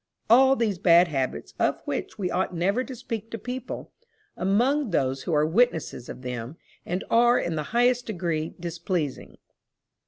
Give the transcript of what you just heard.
all these bad habits, of which we ought never to speak to people, among those who are witnesses of them, and are in the highest degree displeasing.